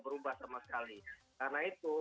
berubah sama sekali karena itu